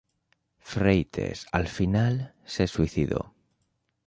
Freites, al final, se suicidó.